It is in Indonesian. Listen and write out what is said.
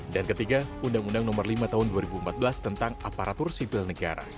dan ketiga undang undang no lima tahun dua ribu empat belas tentang aparatur sipil negara